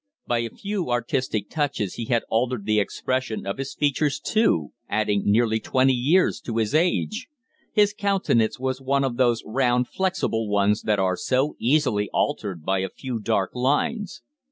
By a few artistic touches he had altered the expression of his features too adding nearly twenty years to his age. His countenance was one of those round, flexible ones that are so easily altered by a few dark lines.